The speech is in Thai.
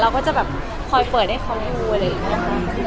ก็จะแบบคอยเปิดให้เขาได้ดูอะไรอย่างนี้ค่ะ